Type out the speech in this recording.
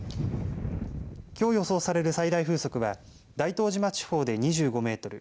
きょう予想される最大風速は大東島地方で２５メートル